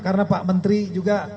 karena pak menteri juga